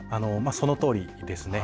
そのとおりです。